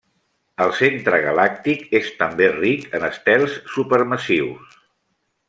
El centre galàctic és també ric en estels supermassius.